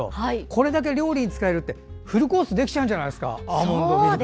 これだけ料理に使えるってフルコースできちゃうんじゃないですか。